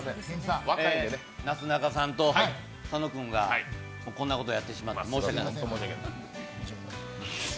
なすなかさんと佐野君がこんなことをやってしまって申し訳ない。